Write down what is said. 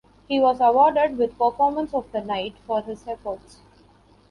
He was awarded with "Performance of the Night" for his efforts.